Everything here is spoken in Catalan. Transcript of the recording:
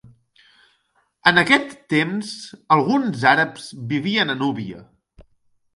En aquest temps, alguns àrabs vivien a Núbia.